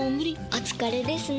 お疲れですね。